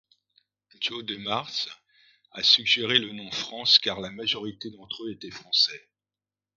Joe Demars a suggéré le nom France car la majorité d’entre eux étaient français.